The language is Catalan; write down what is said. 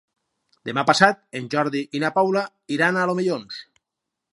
Demà passat en Jordi i na Paula iran als Omellons.